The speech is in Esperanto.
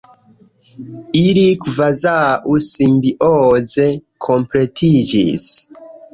Ili kvazaŭ simbioze kompletiĝis.